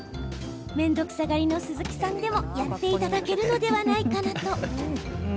面倒くさがりの鈴木さんでもやっていただけるのでは？